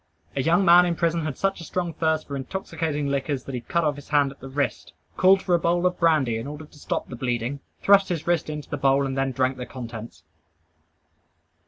A young man in prison had such a strong thirst for intoxicating liquors, that he cut off his hand at the wrist, called for a bowl of brandy in order to stop the bleeding, thrust his wrist into the bowl, and then drank the contents.